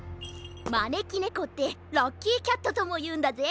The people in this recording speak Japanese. まねきねこってラッキーキャットともいうんだぜ。